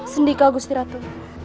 sendika gusti ratu